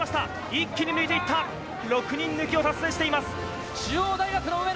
一気に抜いていった、６人抜きを達成しています。